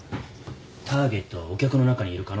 ターゲットはお客の中にいる可能性が高い。